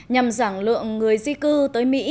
nhằm giảng lượng người di cư tới mỹ